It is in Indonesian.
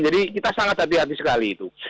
jadi kita sangat hati hati sekali itu